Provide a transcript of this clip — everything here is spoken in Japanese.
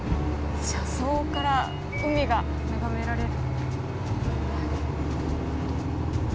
車窓から海が眺められる。